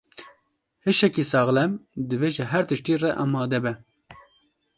Hişekî saxlem, divê ji her tiştî re amade be.